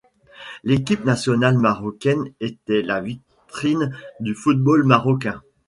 L'Equipe Nationale Marocaine était la Vitrine du Football Marocain.